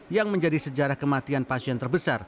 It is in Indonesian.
yang menjadi sejarah kematian pasien terbesar